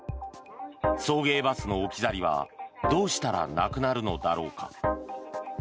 送迎バスの置き去りはどうしたらなくなるのだろうか。